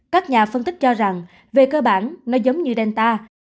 các nhà phân tích cho rằng về cơ bản nó giống như delta